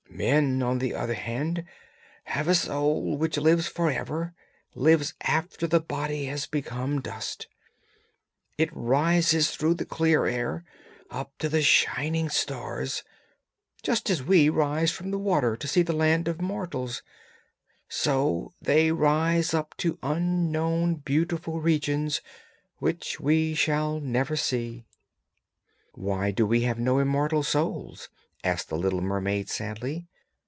Men, on the other hand, have a soul which lives for ever, lives after the body has become dust; it rises through the clear air, up to the shining stars! Just as we rise from the water to see the land of mortals, so they rise up to unknown beautiful regions which we shall never see.' 'Why have we no immortal souls?' asked the little mermaid sadly.